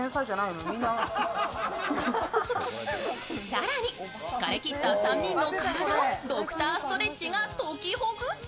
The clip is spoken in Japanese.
更に、疲れ切った３人の体をドクターストレッチがときほぐす。